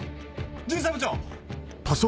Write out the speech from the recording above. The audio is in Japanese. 巡査部長！